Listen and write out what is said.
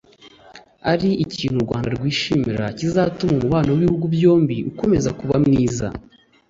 ari ikintu u Rwanda rwishimira kizatuma umubano w’ibihugu byombi ukomeza kuba mwiza